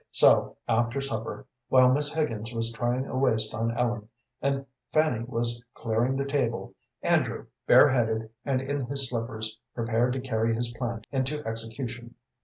So after supper, while Miss Higgins was trying a waist on Ellen, and Fanny was clearing the table, Andrew, bareheaded and in his slippers, prepared to carry his plan into execution.